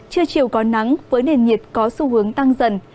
trưa chiều có nắng với nền nhiệt có xu hướng tăng dần